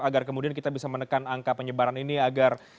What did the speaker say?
agar kemudian kita bisa menekan angka penyebaran ini agar